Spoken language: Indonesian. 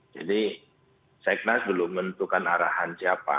jadi seknas belum menentukan arahan siapa